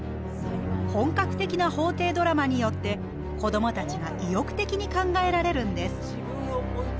本格的な法廷ドラマによって子どもたちが意欲的に考えられるんです。